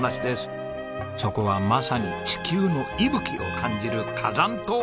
そこはまさに地球の息吹を感じる火山島。